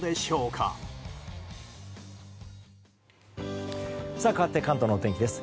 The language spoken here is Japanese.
かわって関東の天気です。